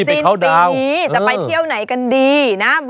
สิ้นปีนี้จะไปเที่ยวไหนกันดีนะ